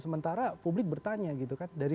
sementara publik bertanya gitu kan dari